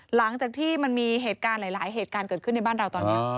หลังจากที่มันมีเหตุการณ์หลายเหตุการณ์เกิดขึ้นในบ้านเราตอนนี้